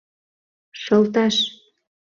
Шылташ!